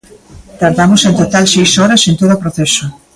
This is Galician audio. Tardamos en total seis horas en todo o proceso.